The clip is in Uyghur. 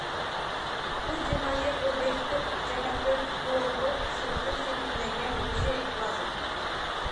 بۇ جىنايەت ئوبيېكتىپ جەھەتتە زورلۇق ئىشلىتىپ شەكىللەنگەن بولۇشى لازىم.